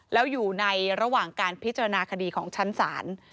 แล้วอยู่ในระหว่างการพิจารณาคดีของชั้นศาล